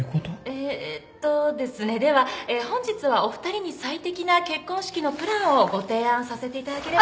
えっとですねではえ本日はお二人に最適な結婚式のプランをご提案させていただければ。